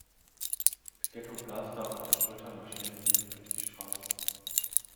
Mit Gettoblaster auf der Schulter marschieren sie durch die Straßen.